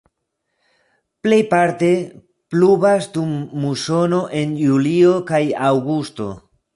Plejparte pluvas dum musono en julio kaj aŭgusto.